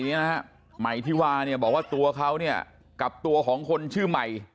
เนี้ยนะฮะใหม่ที่ว่าเนี่ยบอกว่าตัวเขาเนี่ยกับตัวของคนชื่อใหม่